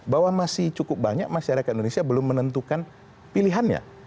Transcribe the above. bahwa masih cukup banyak masyarakat indonesia belum menentukan pilihannya